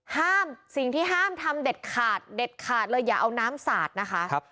ห้ามสิ่งที่ห้ามทำเด็ดขาดเด็ดขาดเลยอย่าเอาน้ำสาดนะคะ